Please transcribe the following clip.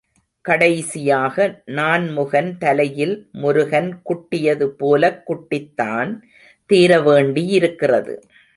கடைசியாக நான்முகன் தலையில் முருகன் குட்டியது போலக் குட்டித்தான் தீரவேண்டியிருக்கிறது!